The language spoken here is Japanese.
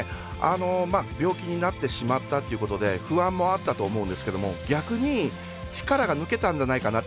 病気になってしまったということで不安もあったと思うんですけど逆に力が抜けたんじゃないかな。